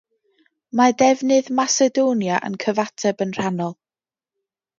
Mae defnydd Macedonia yn cyfateb yn rhannol.